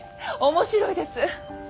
面白いです。